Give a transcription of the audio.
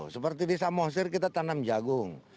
seperti di samosir kita tanam jagung